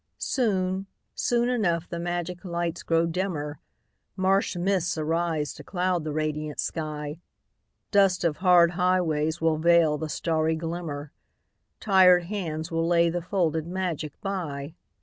Soon, soon enough the magic lights grow dimmer, Marsh mists arise to cloud the radiant sky, Dust of hard highways will veil the starry glimmer, Tired hands will lay the folded magic by.